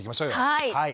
はい。